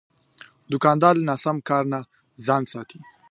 دوکاندار له ناسم کار نه ځان ساتي.